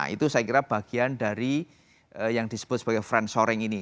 itu saya kira bagian dari yang disebut sebagai friend shoring ini